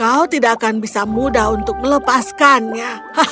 kau tidak akan bisa mudah untuk melepaskannya